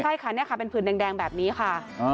ใช่ค่ะเป็นผื่นแดงแบบนี้ค่ะ